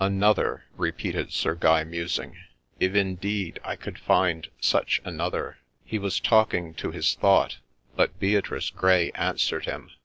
' Another !' repeated Sir Guy, musing ;—' if, indeed, I could find such another !' He was talking to his thought, but Beatrice Grey answered him.